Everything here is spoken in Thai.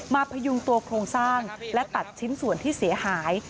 พยุงตัวโครงสร้างและตัดชิ้นส่วนที่เสียหาย